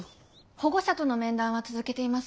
保護者との面談は続けています。